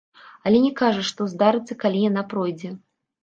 Але не кажа, што здарыцца, калі яна пройдзе.